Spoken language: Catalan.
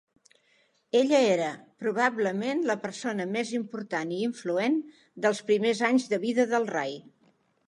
Ella era "probablement la persona més important i influent" dels primers anys de vida del Ray.